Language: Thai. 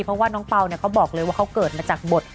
เพราะว่าน้องเปล่าเนี่ยเขาบอกเลยว่าเขาเกิดมาจากบท